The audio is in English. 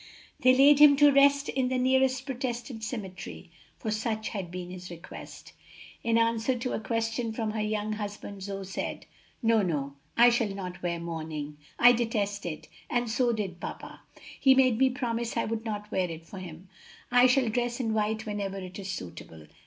They laid him to rest in the nearest Protestant cemetery, for such had been his request. In answer to a question from her young husband, Zoe said, "No, no. I shall not wear mourning! I detest it, and so did papa. He made me promise I would not wear it for him. I shall dress in white whenever it is suitable.